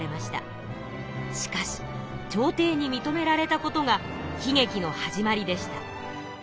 しかし朝廷にみとめられたことが悲げきの始まりでした。